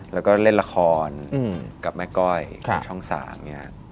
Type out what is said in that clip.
แล้วก็เล่นละครกับแม่ก้อยช่องสาม